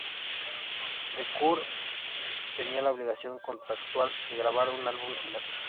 The Cure tenía la obligación contractual de grabar un álbum final.